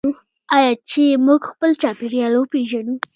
آیا چې موږ خپل چاپیریال وپیژنو؟